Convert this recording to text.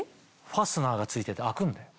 ファスナーが付いてて開くんだよ。